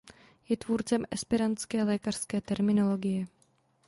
Je tvůrcem esperantské lékařské terminologie.